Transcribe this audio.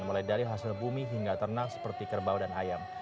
mulai dari hasil bumi hingga ternak seperti kerbau dan ayam